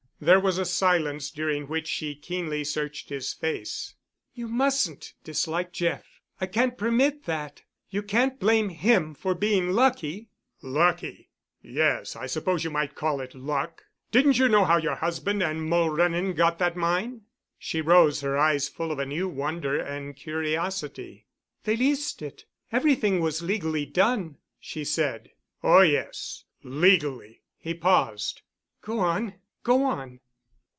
There was a silence during which she keenly searched his face. "You mustn't dislike Jeff. I can't permit that. You can't blame him for being lucky——" "Lucky? Yes, I suppose you might call it luck. Didn't you know how your husband and Mulrennan got that mine?" She rose, her eyes full of a new wonder and curiosity. "They leased it. Everything was legally done," she said. "Oh, yes. Legally——" he paused. "Go on—go on."